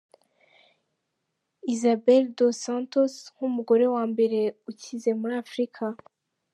Isabel Dos Santos, nk’umugore wa mbere ukize muri Africa.